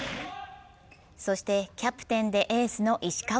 そしてキャプテンでエースの石川。